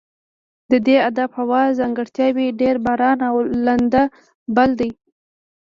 د دې آب هوا ځانګړتیاوې ډېر باران او لنده بل دي.